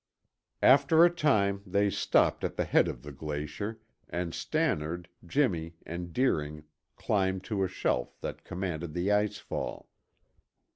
After a time, they stopped at the head of the glacier, and Stannard, Jimmy and Deering climbed to a shelf that commanded the ice fall.